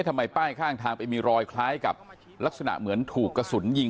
ไอ้ทำไมป้ายข้างทางมีรอยลักษณะเหมือนถูกกระสุนยิง